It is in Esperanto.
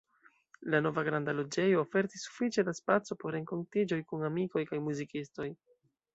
La nova granda loĝejo ofertis sufiĉe da spaco por renkontiĝoj kun amikoj kaj muzikistoj.